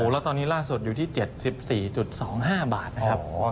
แล้วตอนนี้ล่าสุดอยู่ที่๗๔๒๕บาทนะครับ